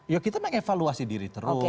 ya kita mengevaluasi diri terus